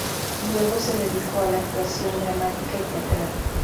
Luego se dedicó a la actuación dramática y teatral.